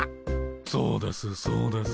そうですそうです。